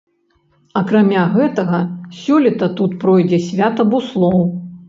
Акрамя гэтага, сёлета тут пройдзе свята буслоў.